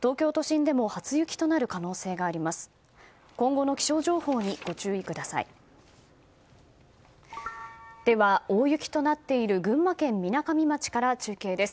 では、大雪となっている群馬県みなかみ町から中継です。